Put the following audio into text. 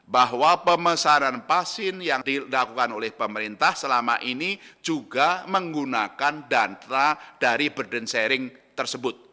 bahwa pemesaran vaksin yang dilakukan oleh pemerintah selama ini juga menggunakan dana dari burden sharing tersebut